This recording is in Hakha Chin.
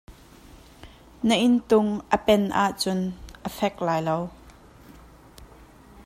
Nan inntung a pen ahcun a fek lai lo.